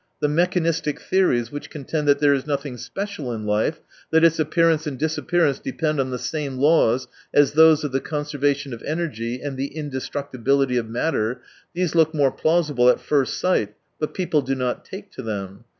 The mechanistic theories, which contend that there is nothing special in life, that its appear ance and disappearance depend on the same laws as those of the conservation of energy and the indestructibility of matter, these look more plausible at first sight, but people do not take to them.